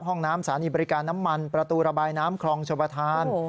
ห้องน้ำสถานีบริการน้ำมันประตูระบายน้ำคลองชมประธาน